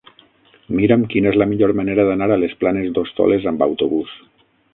Mira'm quina és la millor manera d'anar a les Planes d'Hostoles amb autobús.